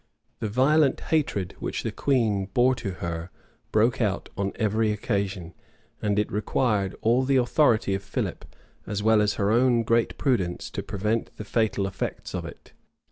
The violent hatred which the queen bore to her broke out on every occasion; and it required all the authority of Philip, as well as her own great prudence, to prevent the fatal effects of it.